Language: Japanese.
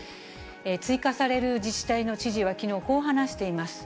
追加される自治体の知事はきのう、こう話しています。